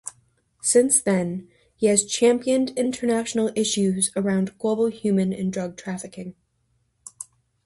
Since then, he has championed international issues around global human and drug trafficking.